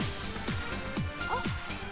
あっ！